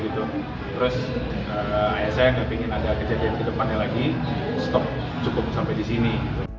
terus ayah saya enggak ingin ada kejadian ke depannya lagi stop cukup sampai di sini